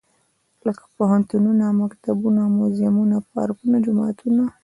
لکه پوهنتونه ، مکتبونه موزيمونه، پارکونه ، جوماتونه.